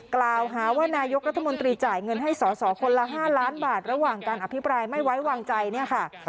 กล่าวหาว่านายกรัฐมนตรีจ่ายเงินให้สอสอคนละ๕ล้านบาทระหว่างการอภิปรายไม่ไว้วางใจเนี่ยค่ะ